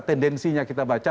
tendensinya kita baca